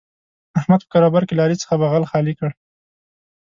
احمد په کاروبار کې له علي څخه بغل خالي کړ.